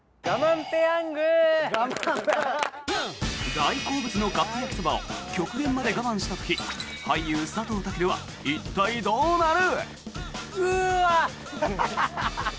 大好物のカップ焼きそばを極限まで我慢した時俳優・佐藤健は一体どうなる？